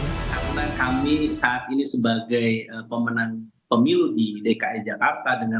karena kami saat ini sebagai pemenang pemilu di dki jakarta